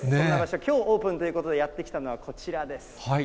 きょうオープンということで、やって来たのはこちらです。